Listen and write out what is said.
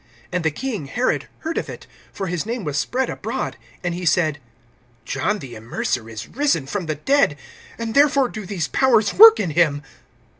(14)And the king, Herod, heard of it, for his name was spread abroad; and he said: John the Immerser is risen from the dead, and therefore do these powers work in him.